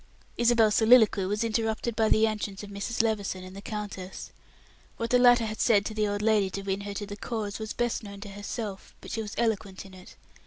Isabel's soliloquy was interrupted by the entrance of Mrs. Levison and the countess. What the latter had said to the old lady to win her to the cause, was best known to herself, but she was eloquent in it.